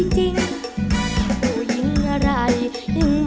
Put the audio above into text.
เป็นฟาร์น